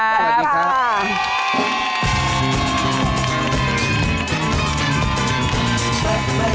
สวัสดีครับ